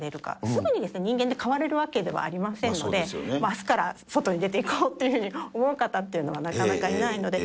すぐに人間って変われるわけではありませんので、あすから外に出ていこうというふうに思う方っていうのはなかなかいないので。